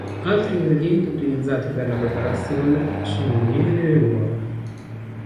Altri ingredienti utilizzati per la preparazione sono il miele e le uova.